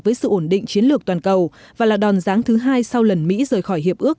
với sự ổn định chiến lược toàn cầu và là đòn ráng thứ hai sau lần mỹ rời khỏi hiệp ước